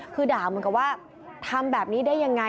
คือด่าเหมือนกับว่าทำแบบนี้ได้ยังไง